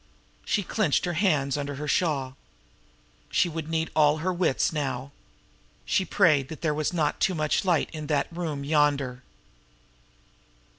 She clenched her hands under her shawl. She would need all her wits now. She prayed that there was not too much light in that room yonder.